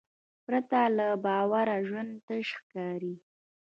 پرته له باور ژوند تش ښکاري.